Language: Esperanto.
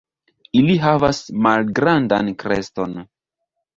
Ili havas malgrandan kreston.